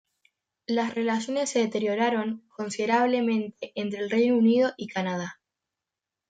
Las relaciones se deterioraron considerablemente entre el Reino Unido y Canadá.